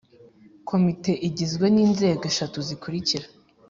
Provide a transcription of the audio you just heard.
Komite igizwe n Inzego eshatu zikurikira